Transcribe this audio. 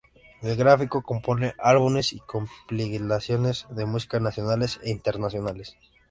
El gráfico compone álbumes y compilaciones de música nacional e internacional.